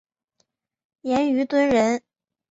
严虞敦人。